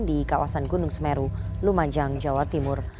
di kawasan gunung semeru lumajang jawa timur